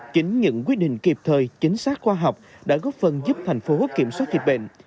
chính những quyết định kịp thời chính xác khoa học đã góp phần giúp thành phố kiểm soát dịch bệnh